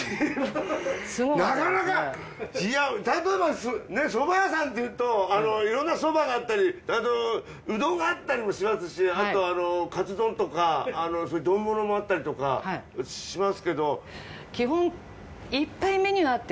なかなか例えばねそば屋さんというといろんなそばがあったりうどんがあったりもしますしあとかつ丼とか丼ものもあったりとかしますけど。